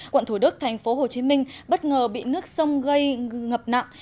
quận thủ đức thành phố hồ chí minh bất ngờ bị nước sông gây ngập nặng